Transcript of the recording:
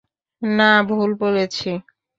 না, ভুল বলেছি।